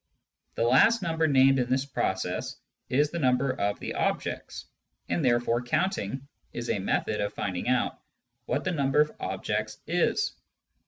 The last number named in this process is the number of the objects, and therefore counting is a method of finding out what the number of the objects is.